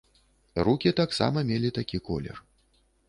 Рукі таксама мелі такі колер.